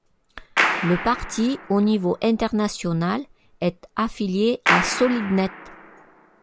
Le parti au niveau international est affilié a Solidnet.